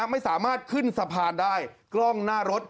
ไม่สามารถขึ้นสะพานได้กล้องหน้ารถ